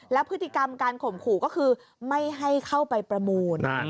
แล้วพฤติกรรมการข่มขู่ก็คือไม่ให้เข้าไปประมูล